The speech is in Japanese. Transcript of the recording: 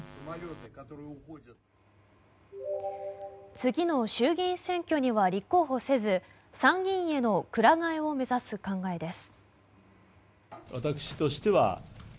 次の衆議院選挙には立候補せず参議院へのくら替えを目指す考えです。